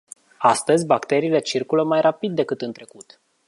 Astăzi, bacteriile circulă mai rapid decât în trecut.